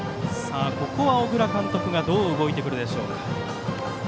ここは小倉監督がどう動いてくるでしょうか。